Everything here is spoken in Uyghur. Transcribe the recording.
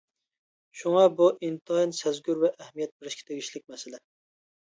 شۇڭا بۇ ئىنتايىن سەزگۈر ۋە ئەھمىيەت بېرىشكە تېگىشلىك مەسىلە.